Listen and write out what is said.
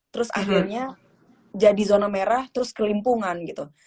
terus akhirnya jadi zona merah terus kelimpungan gitu